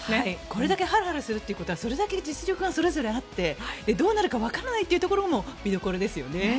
これだけハラハラするということは実力がそれぞれあってどうなるか分からないということが見どころですよね。